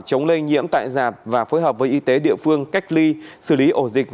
chống lây nhiễm tại giạp và phối hợp với y tế địa phương cách ly xử lý ổ dịch